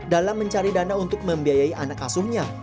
dalam mencari dana untuk membiayai anak asuhnya